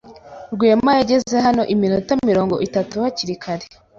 Rwema yageze hano iminota mirongo itatu hakiri kare.